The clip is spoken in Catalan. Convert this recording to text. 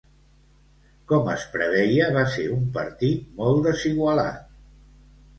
Com es preveia va ser un partit molt desigualat.